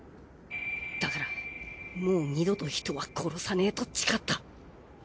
だからもう二度と人は殺さねえと誓った。